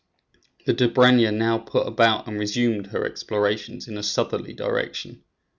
The Dobryna now put about and resumed her explorations in a southerly direction.